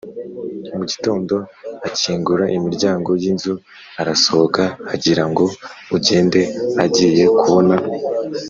Mu gitondo akingura imiryango y inzu arasohoka agira ngo agende agiye kubona